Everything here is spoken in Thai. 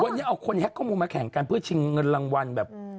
วันนี้เอาคนแฮ็กข้อมูลมาแข่งกันเพื่อชิงเงินรางวัลแบบ